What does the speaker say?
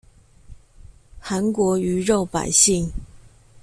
韓國魚肉百姓